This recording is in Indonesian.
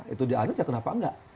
itu dianut ya kenapa enggak